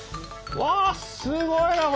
わすごいなこれ！